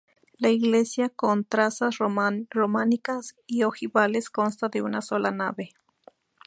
La iglesia, con trazas románicas y ojivales, consta de una sola nave.